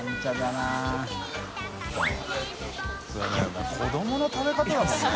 もう子どもの食べ方だもんね。